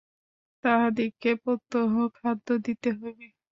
তাহাদিগকে প্রত্যহ খাদ্য দিতে হইবে।